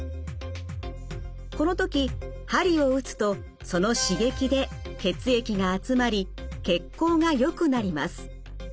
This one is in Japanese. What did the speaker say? この時鍼を打つとその刺激で血液が集まり血行がよくなります。